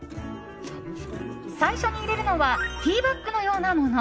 最初に入れるのはティーバッグのようなもの。